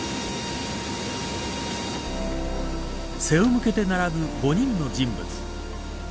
背を向けて並ぶ５人の人物。